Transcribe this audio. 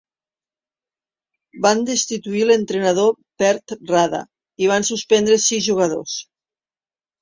Van destituir l'entrenador Petr Rada i van suspendre sis jugadors.